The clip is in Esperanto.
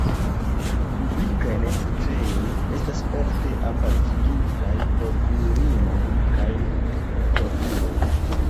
Publikaj necesejoj estas ofte apartigitaj por virinoj kaj por viroj.